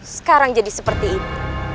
sekarang jadi seperti itu